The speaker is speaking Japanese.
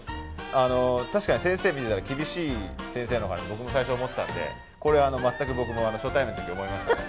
あの確かに先生見てたら厳しい先生なのかと僕も最初思ったんでこれ全く僕も初対面の時思いましたね。